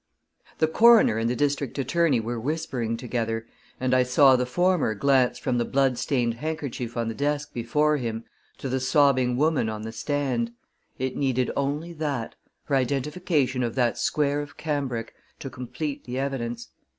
The coroner and the district attorney were whispering together, and I saw the former glance from the blood stained handkerchief on the desk before him to the sobbing woman on the stand. It needed only that her identification of that square of cambric to complete the evidence.